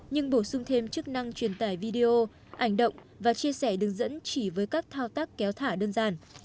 nhưng bổ sung thêm chức năng truyền tải video ảnh động và chia sẻ đường dẫn chỉ với các thao tác kéo thả đơn giản